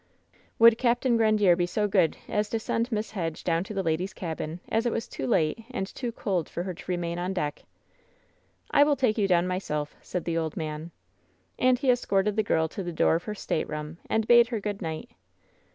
"Would Capt. Grandiert be so good as to send Miss Hedge down to the ladies* cabin, as it was too late and too cold for her to remain on deck?'* "I will take you down myself, said the old man. And he escorted the girl to the door of her stateroom, and bade her good night.